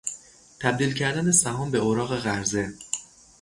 تبدیل کردن سهام به اوراق قرضه